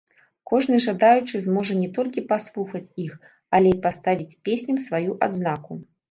Кожны жадаючы зможа не толькі паслухаць іх, але і паставіць песням сваю адзнаку.